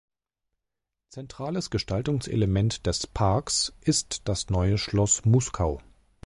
Zentrales Gestaltungselement des Parks ist das Neue Schloss Muskau.